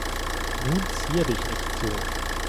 Nun zier dich nicht so.